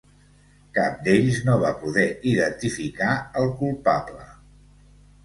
Cap d'ells no va poder identificar el culpable.